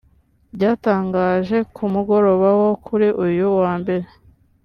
byatangaje ku mugoroba wo kuri uyu wa Mbere